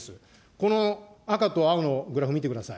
この赤と青のグラフ見てください。